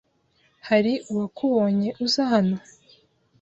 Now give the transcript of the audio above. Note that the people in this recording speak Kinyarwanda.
Hari uwakubonye uza hano?